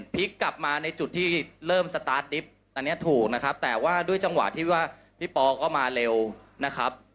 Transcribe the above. พลิกกลับมาในจุดที่เริ่มสตาร์ทดิบอันนี้ถูกนะครับแต่ว่าด้วยจังหวะที่ว่าพี่ปอก็มาเร็วนะครับ